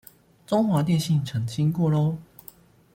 中華電信澄清過囉